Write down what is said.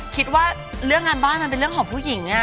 คิดว่าเรื่องงานบ้านมันเป็นเรื่องของผู้หญิง